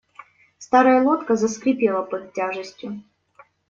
Старая лодка заскрипела под тяжестью.